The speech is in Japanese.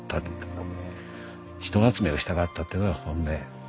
人集めをしたかったっていうのが本音。